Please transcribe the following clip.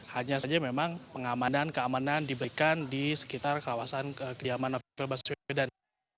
hanya saja memang pengamanan keamanan diberikan di sekitar kawasan kediaman novel baswedan